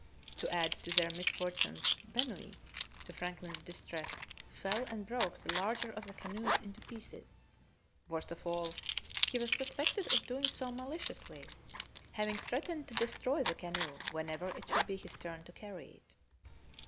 To add to their misfortunes, Benoit, to Franklin's distress, fell and broke the larger of the canoes into pieces; worst of all, he was suspected of doing so maliciously, having threatened to destroy the canoe whenever it should be his turn to carry it.